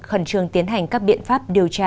khẩn trường tiến hành các biện pháp điều tra